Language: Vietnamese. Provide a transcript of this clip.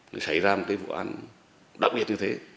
cũng như các bạn bè người thân